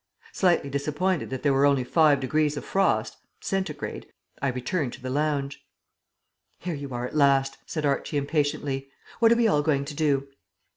Slightly disappointed that there were only five degrees of frost (Centigrade) I returned to the lounge. "Here you are at last," said Archie impatiently. "What are we all going to do?"